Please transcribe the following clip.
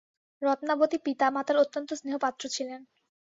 রত্নাবতী পিতা মাতার অত্যন্ত স্নেহপাত্র ছিল।